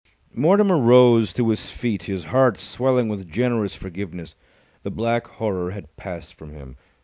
Mortimer rose to his feet, his heart swelling with generous forgiveness. The black horror had passed from him.